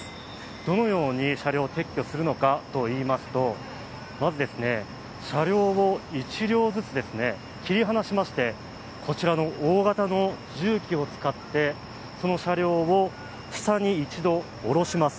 どのように車両を撤去するのかといいますと、まず車両を１両ずつ切り離しましてこちらの大型の重機を使ってその車両を下に一度おろします。